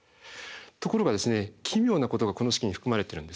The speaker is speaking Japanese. ところが奇妙なことがこの式に含まれてるんですね。